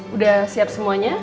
udah siap semuanya